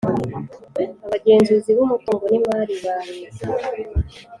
Abagenzuzi b umutungo n imari bal eta